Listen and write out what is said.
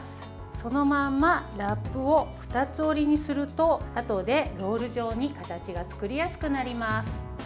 そのままラップを二つ折りにするとあとでロール状に形が作りやすくなります。